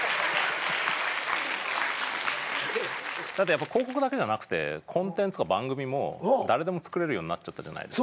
やっぱ広告だけじゃなくてコンテンツとか番組も誰でも作れるようになっちゃったじゃないですか。